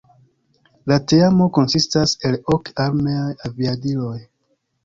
La teamo konsistas el ok armeaj aviadiloj.